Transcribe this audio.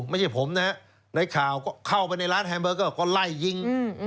ไม่ใช่ผมนะในข่าวก็เข้าไปในร้านแฮมเบอร์เกอร์ก็ไล่ยิง